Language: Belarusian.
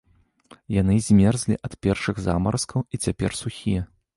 Яны змерзлі ад першых замаразкаў і цяпер сухія.